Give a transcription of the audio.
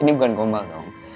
ini bukan gombal dong